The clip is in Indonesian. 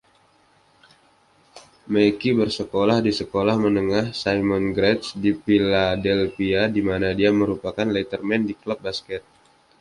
McKie bersekolah di Sekolah Menengah Simon Gratz di Philadelphia, di mana dia merupakan letterman di klub basket.